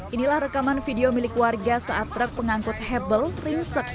inilah rekaman video milik warga saat truk pengangkut hebel ringsek